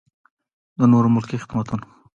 د نورو ملکي خدماتو ملي ادارې هم یادولی شو.